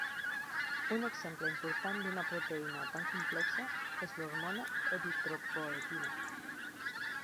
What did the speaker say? Un exemple important d'una proteïna tan complexa és l'hormona eritropoetina.